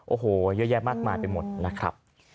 โอ้โหเยอะแยะมากมายไปหมดนะครับ